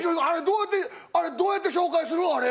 あれどうやってあれどうやって紹介する？